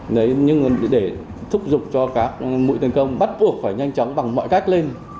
đấy nhưng để thúc giục cho các mũi tấn công bắt buộc phải nhanh chóng bằng mọi cách lên